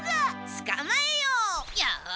つかまえよう。